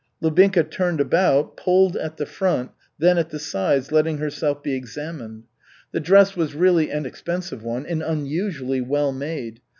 Lubinka turned about, pulled at the front, then at the sides, letting herself be examined. The dress was really an expensive one and unusually well made.